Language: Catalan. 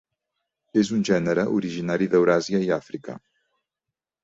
És un gènere originari d'Euràsia i Àfrica.